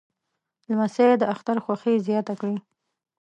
لمسی د اختر خوښي زیاته کړي.